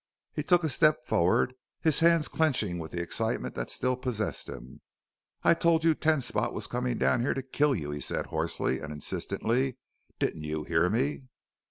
He took a step forward; his hands clenching with the excitement that still possessed him. "I told you Ten Spot was comin' down here to kill you!" he said hoarsely and insistently. "Didn't you hear me?"